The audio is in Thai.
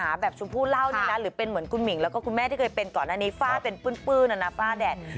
แบบชมพู่เล่าเนี่ยนะหรือเป็นเหมือนคุณหมิ่งแล้วก็คุณแม่ที่เคยเป็นก่อนอันนี้ฝ้าเป็นปื้นนะนะฝ้าแดด